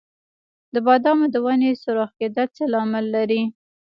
د بادامو د ونو سوراخ کیدل څه لامل لري؟